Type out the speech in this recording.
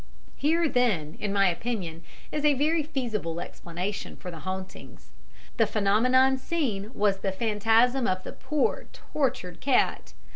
Here, then, in my opinion, is a very feasible explanation for the hauntings the phenomenon seen was the phantasm of the poor, tortured cat.